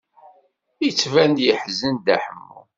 Yettban-d yeḥzen Dda Ḥemmu.